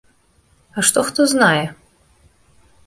А што хто знае?